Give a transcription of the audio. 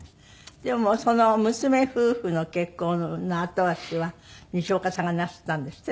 でもその娘夫婦の結婚の後押しは西岡さんがなすったんですって？